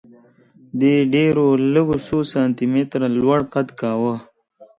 دې ډېرو لږو څو سانتي متره لوړ قد کاوه